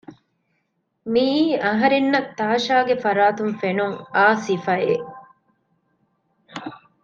މިއީ އަހަރެންނަށް ތާޝާގެ ފަރާތުން ފެނުން އާ ސިފައެއް